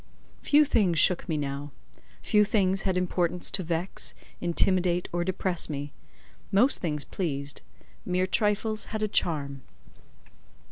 Few things shook me now; few things had importance to vex, intimidate, or depress me: most things pleased—mere trifles had a charm.